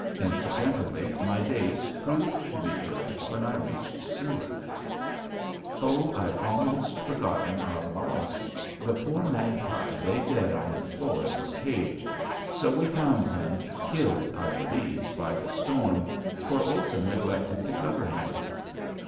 Incidentally my dates proved to be correct when I reached Seward. [Illustration: ADVENTURE] Oh, I've almost forgotten our loss. The poor magpie lay dead on the floor of his cage. So we found him, killed, I believe, by the storm, for Olson neglected to cover him.